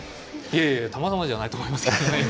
いえいえたまたまじゃないと思いますが。